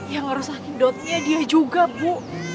yang harus angin dotnya dia juga bu